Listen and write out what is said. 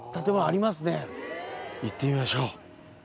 行ってみましょう。